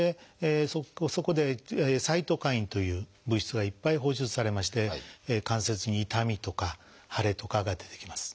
そこでサイトカインという物質がいっぱい放出されまして関節に痛みとか腫れとかが出てきます。